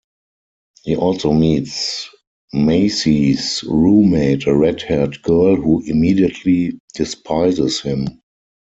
He also meets Maisie's roommate, a red-haired girl who immediately despises him.